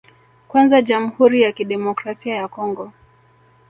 Kwanza Jamhuri ya Kidemokrasia ya Congo